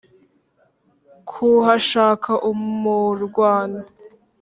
kuhashaka umurwano,